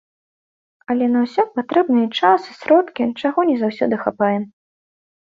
Але на ўсё патрэбны і час, і сродкі, чаго не заўсёды хапае.